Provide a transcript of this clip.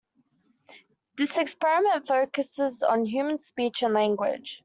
This experiment focuses on human speech and language.